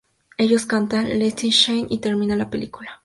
Ellos cantan "Let it Shine" y termina la película.